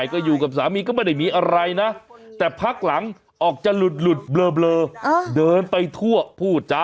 ก็อยู่กับสามีก็ไม่ได้มีอะไรนะแต่พักหลังออกจะหลุดเบลอเดินไปทั่วพูดจ๊ะ